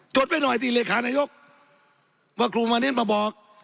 จดไปหน่อยที่เลขานายกว่าครูมาเนี่ยมาบอก